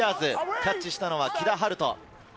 キャッチしたのは木田晴斗。